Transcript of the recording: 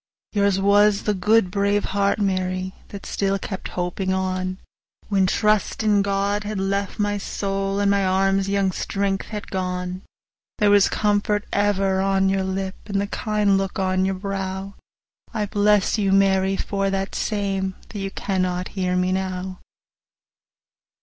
Yours was the good, brave heart, Mary, That still kept hoping on, When the trust in God had left my soul, 35 And my arm's young strength was gone: There was comfort ever on your lip, And the kind look on your brow— I bless you, Mary, for that same, Though you cannot hear me now.